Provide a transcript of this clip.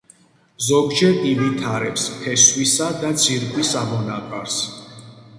ზოგჯერ ივითარებს ფესვისა და ძირკვის ამონაყარს.